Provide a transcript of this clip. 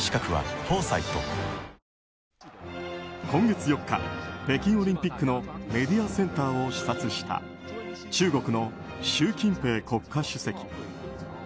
今月４日、北京オリンピックのメディアセンターを視察した中国の習近平国家主席。